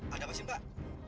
ada apa sih mbak